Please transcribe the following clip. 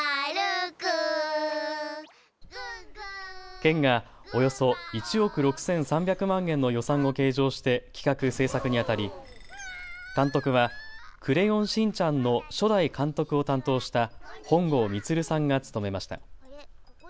県が、およそ１億６３００万円の予算を計上して企画・制作にあたり監督はクレヨンしんちゃんの初代監督を担当した本郷みつるさんが務めました。